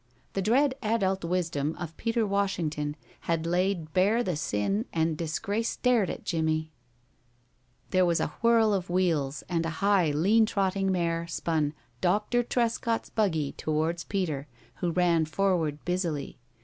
The dread adult wisdom of Peter Washington had laid bare the sin, and disgrace stared at Jimmie. There was a whirl of wheels, and a high, lean trotting mare spun Doctor Trescott's buggy towards Peter, who ran forward busily.